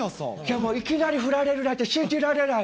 もういきなり振られるなんて信じられない。